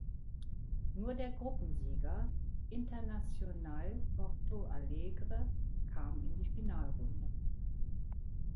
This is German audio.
Nur der Gruppensieger Internacional Porto Alegre kam in die Finalrunde.